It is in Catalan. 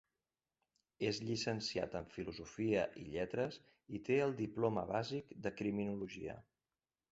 És llicenciat en filosofia i lletres i té el diploma bàsic de criminologia.